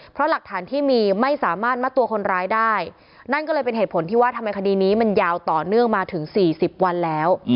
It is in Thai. เพราะหลักฐานที่มีไม่สามารถมัดตัวคนร้ายได้นั่นก็เลยเป็นเหตุผลที่ว่าทำไมคดีนี้มันยาวต่อเนื่องมาถึง๔๐วันแล้ว